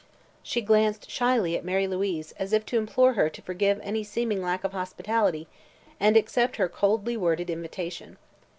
She glanced shyly at Mary Louise, as if to implore her to forgive any seeming lack of hospitality and accept her coldly worded invitation.